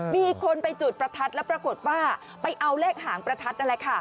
มีคนไปจุดประทัดแล้วปรากฏว่าไปเอาเลขหางประทัดนั่นแหละค่ะ